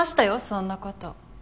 そんなこと。